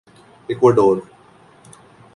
Ecuador